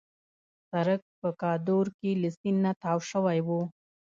سړک په کادور کې له سیند نه تاو شوی وو.